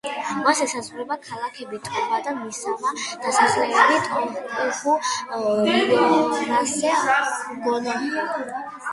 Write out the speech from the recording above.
მას ესაზღვრება ქალაქები ტოვადა, მისავა, დასახლებები ტოჰოკუ, ოირასე, გონოჰე.